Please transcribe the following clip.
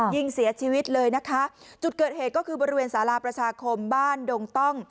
ยิงเสียชีวิตเลยนะคะจุดเกิดเหตุก็คือบริเวณสาราประชาคมบ้านดงต้อง